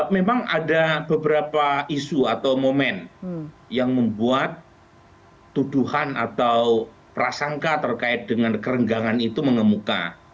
memang ada beberapa isu atau momen yang membuat tuduhan atau prasangka terkait dengan kerenggangan itu mengemuka